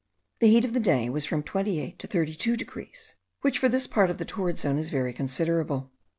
The heat of the day was from 28 to 32 degrees, which for this part of the torrid zone is very considerable.